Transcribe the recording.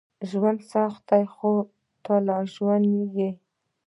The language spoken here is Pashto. ژوند سخت ده، خو ته لا ژوندی یې.